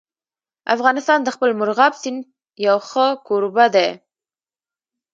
افغانستان د خپل مورغاب سیند یو ښه کوربه دی.